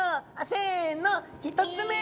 せの１つ目。